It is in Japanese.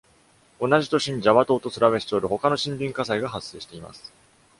同じ年にジャワ島とスラウェシ島で他の森林火災が発生しています。